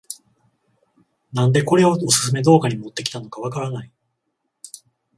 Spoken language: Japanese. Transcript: なんでこれをオススメ動画に持ってきたのかわからない